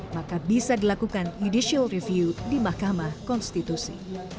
maka bisa dilakukan judicial review di mahkamah konstitusi